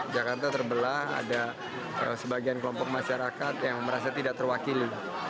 jakarta terbelah ada sebagian kelompok masyarakat yang merasa tidak terwakili